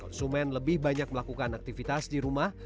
konsumen lebih banyak melakukan aktivitas di rumah